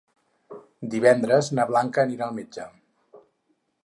Divendres na Blanca anirà al metge.